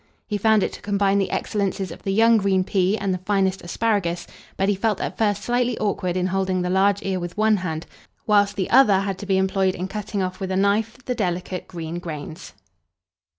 He found it to combine the excellences of the young green pea and the finest asparagus; but he felt at first slightly awkward in holding the large ear with one hand, whilst the other had to be employed in cutting off with a knife the delicate green grains.